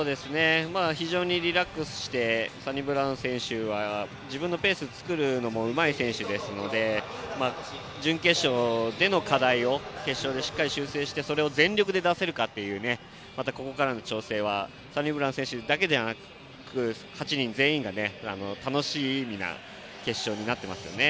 非常にリラックスしてサニブラウン選手は自分のペースを作るのもうまい選手ですので準決勝での課題を決勝でしっかり修正してそれを全力で出せるかというここからの調整はサニブラウン選手だけでなく８人全員が楽しみな決勝になっていますね。